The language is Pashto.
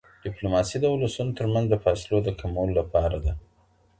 ډیپلوماسي د ولسونو ترمنځ د فاصلو د کمولو لپاره ده.